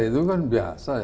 itu kan biasa ya